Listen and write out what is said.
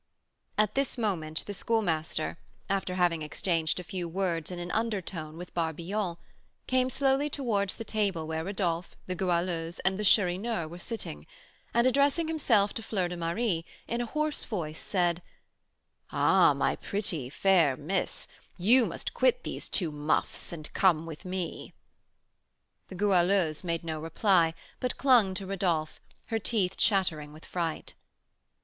At this moment the Schoolmaster, after having exchanged a few words in an undertone with Barbillon, came slowly towards the table where Rodolph, the Goualeuse, and the Chourineur were sitting, and addressing himself to Fleur de Marie, in a hoarse voice, said: "Ah, my pretty, fair miss, you must quit these two 'muffs,' and come with me." The Goualeuse made no reply, but clung to Rodolph, her teeth chattering with fright.